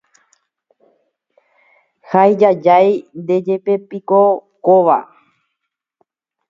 Haijajái ndéjepepiko kóva